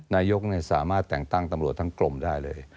นายกสามารถแต่งตั้งตำรวจทั้งกลมได้เลย